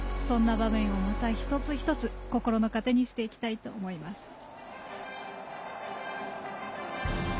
そんな場面を、また一つ一つ心の糧にしていきたいと思います。